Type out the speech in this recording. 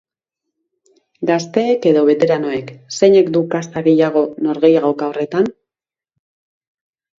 Gazteek edo beteranoek, zeinek du kasta gehiago norgehiagoka horretan?